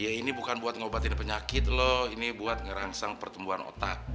ya ini bukan buat ngobatin penyakit loh ini buat ngerangsang pertumbuhan otak